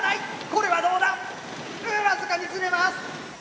これはどうだ僅かにずれます！